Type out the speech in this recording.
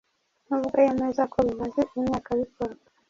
nubwo yemeza ko bimaze "imyaka" bikorwa.